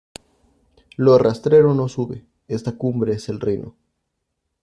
Lo rastrero no sube: esta cumbre es el reino.